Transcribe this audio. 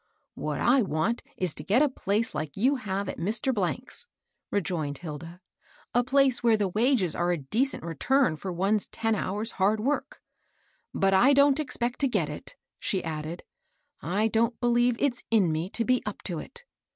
" What I want is to get a place like you have at Mr. ^'s," rejoined Hilda, —" a place where the wages are a decent return for one's ten hours' hard work; but I don't expect to get it," she added. I don't believe it's in me to be up to it.